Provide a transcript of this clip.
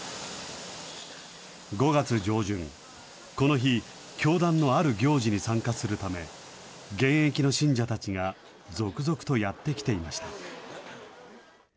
５月上旬、この日、教団のある行事に参加するため、現役の信者たちが続々とやって来ていました。